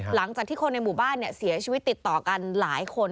หลังจากที่คนในหมู่บ้านเสียชีวิตติดต่อกันหลายคน